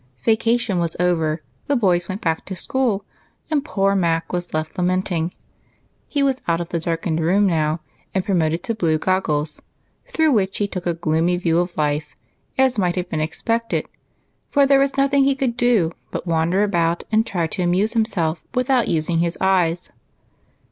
VACATION was over, the boys went back to school, and poor Mac was left lamenting. He was out of the darkened room now, and jDromoted to blue goggles, through which he took a gloomy view of life, as might have been expected ; for there was noth ing he could do but wander about, and try to amuse himself without using his eyes.